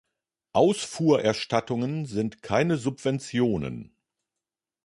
Ausfuhrerstattungen sind keine Subventionen.